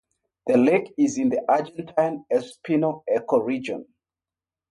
The lake is in the Argentine Espinal ecoregion.